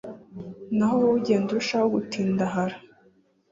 naho wowe ugende urushaho gutindahara.